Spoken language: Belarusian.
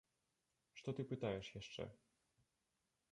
Што ты пытаеш яшчэ.